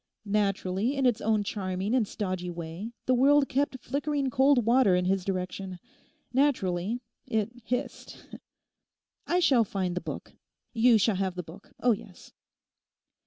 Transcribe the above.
Naturally, in its own charming and stodgy way the world kept flickering cold water in his direction. Naturally it hissed.... I shall find the book. You shall have the book; oh yes.